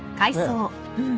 うん。